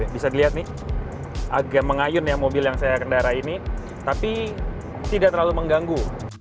bisa dilihat nih agak mengayun ya mobil yang saya kendara ini tapi tidak terlalu mengganggu